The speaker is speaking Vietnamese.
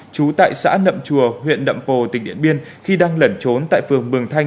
trú tại xã nậm chùa huyện nậm pồ tỉnh điện biên khi đang lẩn trốn tại phường mường thanh